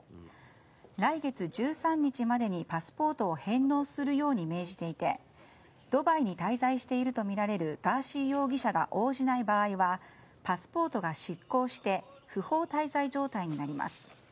来月１３日までにパスポートを返納するように命じていてドバイに滞在しているとみられるガーシー容疑者が応じない場合はパスポートが失効して不法滞在状態になります。